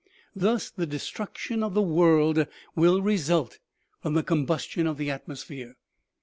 " Thus the destruction of the world will result from the combustion of the atmosphere.